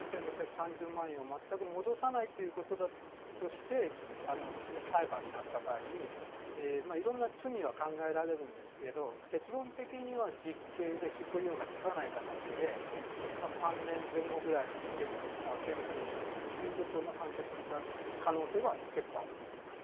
４６３０万円をまったく戻さないということだとして裁判になった場合にいろんな罪は考えられるんですけど結論的には実刑で執行猶予がつかない形で３年前後ぐらい刑務所に行くという判決になる可能性は結構、あると思います。